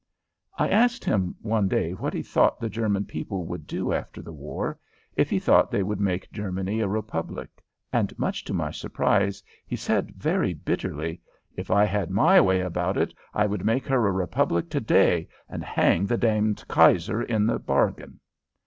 I asked him one day what he thought the German people would do after the war; if he thought they would make Germany a republic, and, much to my surprise, he said, very bitterly, "If I had my way about it, I would make her a republic to day and hang the damned Kaiser in the bargain."